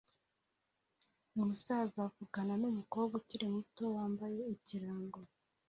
Umusaza avugana numukobwa ukiri muto wambaye ikirango